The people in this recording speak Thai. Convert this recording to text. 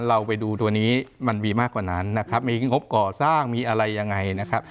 เราไปดูตัวนี้มันมีมากกว่านั้นนะครับมีงบก่อสร้างมีอะไรยังไงนะครับ